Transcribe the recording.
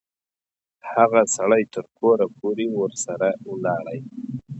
هغه سړی تر کوره پوري ورسره ولاړی.